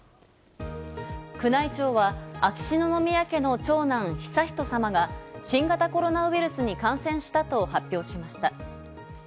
宮内庁は秋篠宮家の長男・悠仁さまが新型コロナウイルスに感染したと発表しました。